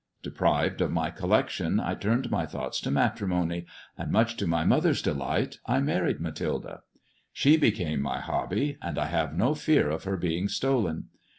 Deprived of my collection, I turned my thoughts to matrimony, and, much to my mother's delight, I married Mathilde. She became my hobby, and I have no fear of her being stolen.